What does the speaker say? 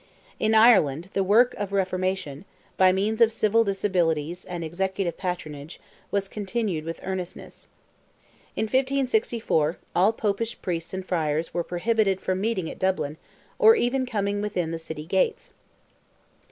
In Ireland, the work of reformation, by means of civil disabilities and executive patronage, was continued with earnestness. In 1564, all Popish priests and friars were prohibited from meeting in Dublin, or even coming within the city gates.